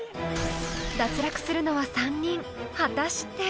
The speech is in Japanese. ［脱落するのは３人果たして？］